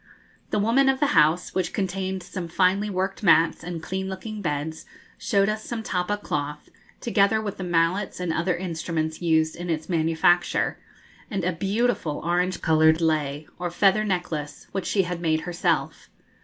The woman of the house, which contained some finely worked mats and clean looking beds, showed us some tappa cloth, together with the mallets and other instruments used in its manufacture, and a beautiful orange coloured lei, or feather necklace, which she had made herself.